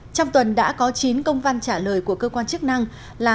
trong tuần đã có chín công văn trả lời của cơ quan chức năng là